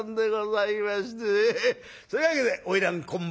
そういうわけで花魁今晩